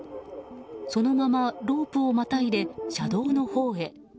そのままロープをまたいで車道のほうへ。